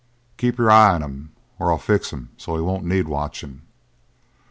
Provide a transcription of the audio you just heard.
Keep your eye on him, or I'll fix him so he won't need watching!"